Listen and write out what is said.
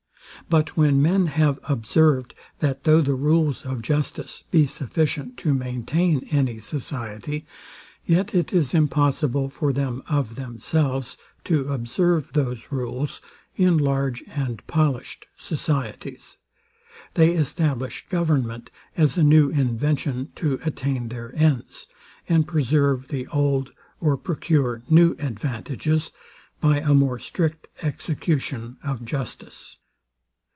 But when men have observed, that though the rules of justice be sufficient to maintain any society, yet it is impossible for them, of themselves, to observe those rules, in large and polished societies; they establish government, as a new invention to attain their ends, and preserve the old, or procure new advantages, by a more strict execution of justice.